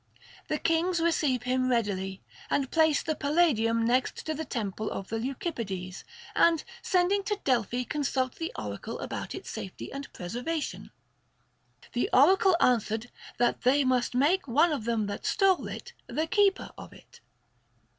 The kings receive him readily, and place the Palladium next to the temple of the Leucip pides, and sending to Delphi consult the oracle about its safety and preservation. The oracle answered that they must make one of them that stole it the keeper of it.